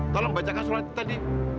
tolong bacakan surat tadi